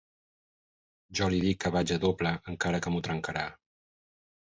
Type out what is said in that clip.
Jo li dic que vaig a doble encara que m’ho trencara.